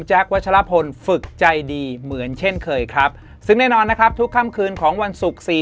แจ็ควัชรพลฝึกใจดีเหมือนเช่นเคยครับซึ่งแน่นอนทุกค่ำคืนของวันศุกร์